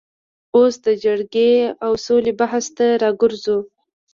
اوس د جګړې او سولې بحث ته راګرځو.